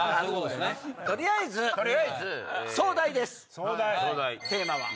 取りあえず壮大ですテーマは。